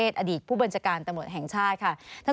สนุนโดยน้ำดื่มสิง